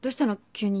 急に。